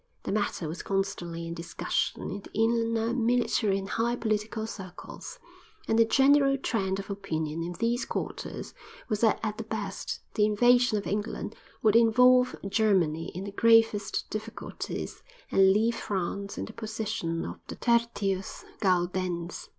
The matter was constantly in discussion in the inner military and high political circles, and the general trend of opinion in these quarters was that at the best, the invasion of England would involve Germany in the gravest difficulties, and leave France in the position of the tertius gaudens.